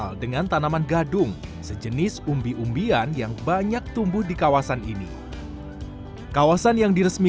lokasi makam pangeran jayakarta tak jauh dari terminal pulau gadung